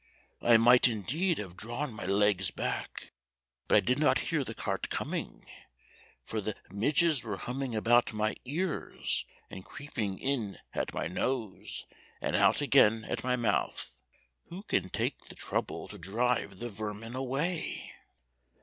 I might indeed have drawn my legs back, but I did not hear the cart coming, for the midges were humming about my ears, and creeping in at my nose and out again at my mouth; who can take the trouble to drive the vermin away?"